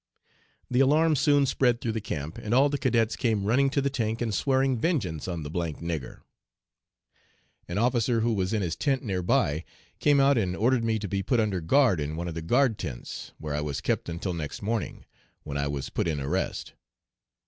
"The alarm soon spread through the camp, and all the cadets came running to the tank and swearing vengeance on the 'd d nigger.' "An officer who was in his tent near by came out and ordered me to be put under guard in one of the guard tents, where I was kept until next morning, when I was put 'in arrest.'